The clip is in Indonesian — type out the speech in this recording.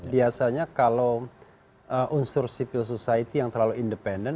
biasanya kalau unsur civil society yang terlalu independen